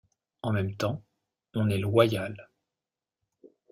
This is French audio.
En même temps, on est « loyal ».